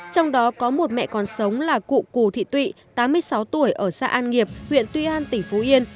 trong đó có một mẹ còn sống là cụ cù thị tụy tám mươi sáu tuổi ở xã an nghiệp huyện tuy an tỉnh phú yên